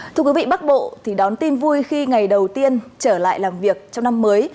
thưa quý vị bắc bộ thì đón tin vui khi ngày đầu tiên trở lại làm việc trong năm mới